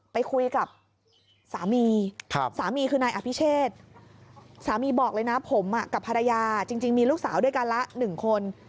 ไปคุยกับสามีสามีคือนายอภิเชษสามีบอกเลยนะผมกับภรรยาจริงมีลูกสาวด้วยกันละ๑คน